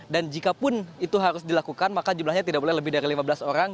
dan jikapun itu harus dilakukan maka jumlahnya tidak boleh lebih dari lima belas orang